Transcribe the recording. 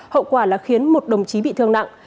hậu quả là khiến một đồng chí bị thương nặng